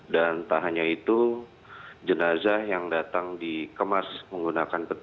dan tak hanya itu jenazah yang datang di kemas menggunakan kerabat